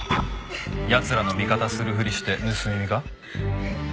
奴らの味方するふりして盗み見か？